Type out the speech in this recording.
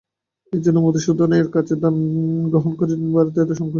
এইজন্যেই মধূসূদনের কাছে দান গ্রহণ করে ঋণ বাড়াতে এত সংকোচ।